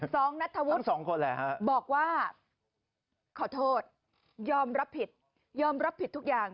สองนัทธวุฒิสองคนแหละฮะบอกว่าขอโทษยอมรับผิดยอมรับผิดทุกอย่าง